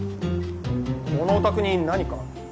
このお宅に何か？